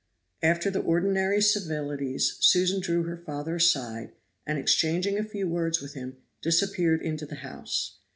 After the ordinary civilities Susan drew her father aside, and, exchanging a few words with him, disappeared into the house.